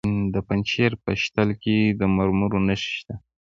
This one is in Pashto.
د پنجشیر په شتل کې د مرمرو نښې شته.